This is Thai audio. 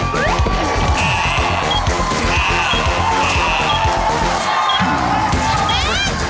แม็กซ์